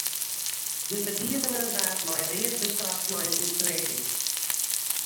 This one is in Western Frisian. De ferdigener waard mei read bestraft nei in oertrêding.